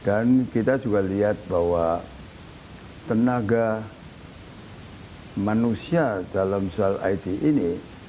dan kita juga lihat bahwa tenaga manusia dalam soal it ini